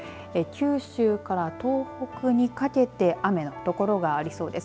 九州から東北にかけて雨の所がありそうです。